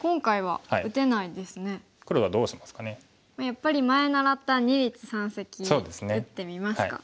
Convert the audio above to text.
やっぱり前習った二立三析打ってみますか。